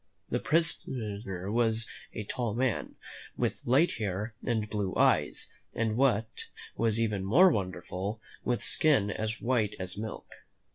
This prisoner was a tall man, with light hair and blue eyes, and, what was even more wonderful, with skin as white as milk.